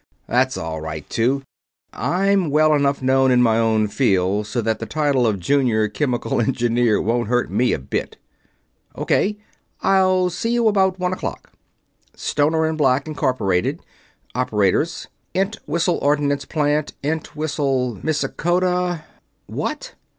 That's all right, too. I'm well enough known in my own field so that a title of Junior Chemical Engineer wouldn't hurt me a bit ... O.K., I'll see you about one o'clock ... Stoner and Black, Inc., Operators, Entwhistle Ordnance Plant, Entwhistle, Missikota.... What!